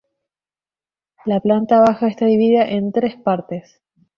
La planta baja está dividida en tres partes.